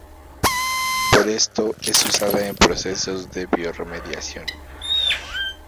Por esto es usada en procesos de biorremediación.